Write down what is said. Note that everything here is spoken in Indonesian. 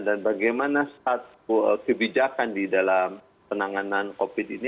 dan bagaimana saat kebijakan di dalam penanganan covid ini